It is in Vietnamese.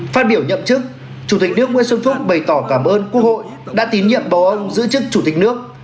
phát biểu nhậm chức chủ tịch nước nguyễn xuân phúc bày tỏ cảm ơn quốc hội đã tín nhiệm bầu ông giữ chức chủ tịch nước